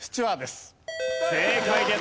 正解です。